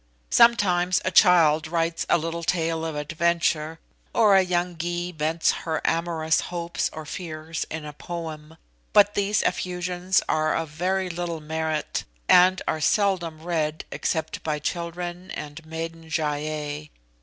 Sometimes a child writes a little tale of adventure, or a young Gy vents her amorous hopes or fears in a poem; but these effusions are of very little merit, and are seldom read except by children and maiden Gy ei.